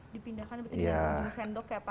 dipindahkan dengan sendok ya pak ya